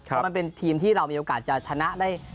เพราะมันเป็นทีมที่เรามีโอกาสจะชนะได้